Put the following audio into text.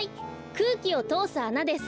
くうきをとおすあなです。